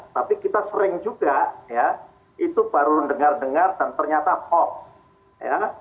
tapi kita sering juga itu baru dengar dengar dan ternyata hoax